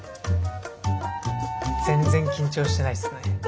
全然緊張してないっすね。